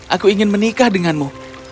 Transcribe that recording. aku ingin menikah denganmu